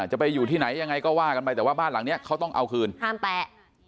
จะไปอยู่ที่ไหนยังไงก็ว่ากันไปแต่ว่าบ้านหลังนี้เขาต้องเอาคืนห้ามแตะ